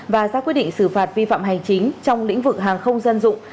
và ra quyết định xử phạt vi phạm hành chính trong lĩnh vực hàng không dân dụng